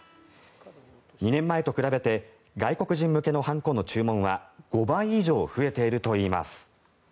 ２年前と比べて外国人向けの判子の注文は５倍以上増えているといいます。